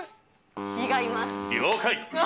違います。